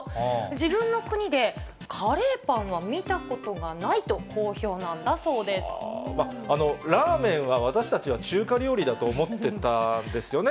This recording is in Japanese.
自分の国でカレーパンは見たことがないと、ラーメンは、私たちは中華料理だと思ってたんですよね。